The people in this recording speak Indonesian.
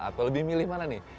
atau lebih milih mana nih